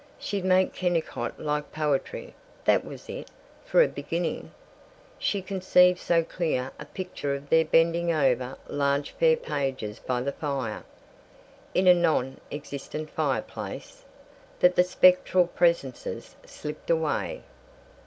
She'd make Kennicott like poetry. That was it, for a beginning! She conceived so clear a picture of their bending over large fair pages by the fire (in a non existent fireplace) that the spectral presences slipped away.